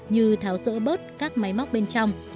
như tháo rỡ bớt các máy móc bên trong